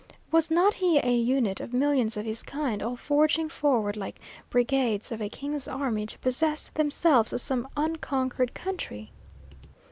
Was not he a unit of millions of his kind, all forging forward like brigades of a king's army to possess themselves of some unconquered country?